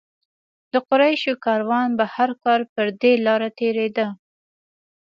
د قریشو کاروان به هر کال پر دې لاره تېرېده.